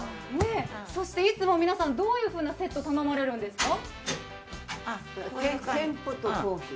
そして、いつもみんなどういうふうなセットを頼まれるんですか。